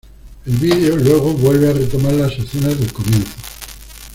El vídeo luego vuelve a retomar las escenas del comienzo.